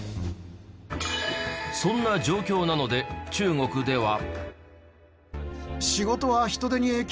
そんな状況なので中国では。